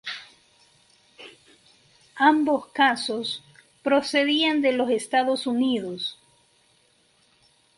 Ambos casos, procedían de los Estados Unidos.